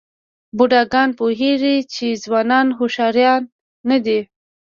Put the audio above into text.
بوډاګان پوهېږي چې ځوانان هوښیاران نه دي.